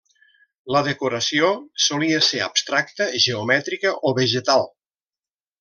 La decoració solia ser abstracta, geomètrica o vegetal.